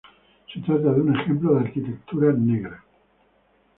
Se trata de un ejemplo de arquitectura negra.